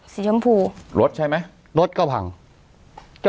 สีช้ำพูรถใช่มั้ย